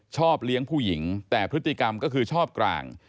ชอบเลี้ยงผู้หญิงแต่พฤติกรรมก็คือชอบกลาง